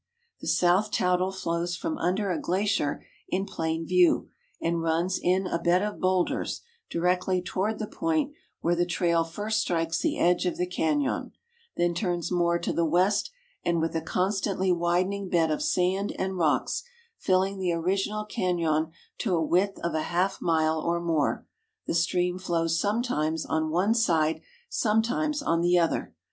The South Toutle flows from under a glacier in plain view, and runs in a bed of boulders directly toward the point where the trail first strikes the edge of the canon, then turns more to the west and with a constantl}'' widening bed of sand and rocks, filling the original canon to a width of a half mile or more, the stream flows sometimes on one side, sometimes on the other.